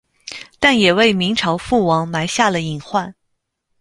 但也为明朝覆亡埋下了隐患。